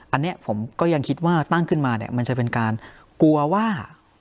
อันนี้ผมก็ยังคิดว่าตั้งขึ้นมาเนี่ยมันจะเป็นการกลัวว่า